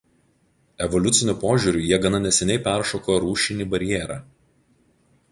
Evoliuciniu požiūriu jie gana neseniai peršoko rūšinį barjerą